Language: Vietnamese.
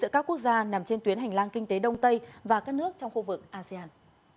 các quốc gia nằm trên tuyến hành lang kinh tế đông tây và các nước trong khu vực asean